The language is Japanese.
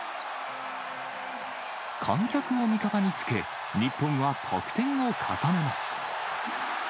観客を味方につけ、日本は得点を重ねます。